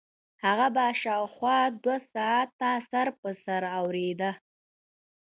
هغه به شاوخوا دوه ساعته سر په سر اورېده.